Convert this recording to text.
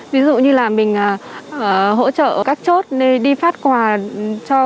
ví dụ như là mình hỗ trợ các chốt nên đi phát quà cho